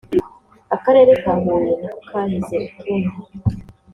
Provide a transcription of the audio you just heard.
Akarere ka Huye niko kahize utundi